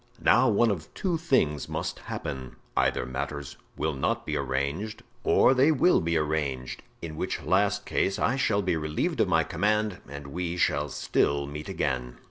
Now one of two things must happen: either matters will not be arranged, or they will be arranged, in which last case I shall be relieved of my command and we shall still meet again."